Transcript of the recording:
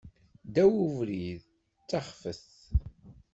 Ddaw ubrid, d taxfet.